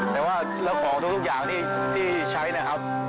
แต่ว่าแล้วของทุกอย่างที่ใช้นะครับ